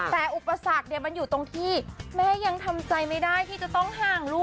แต่อุปสรรคมันอยู่ตรงที่แม่ยังทำใจไม่ได้ที่จะต้องห่างลูก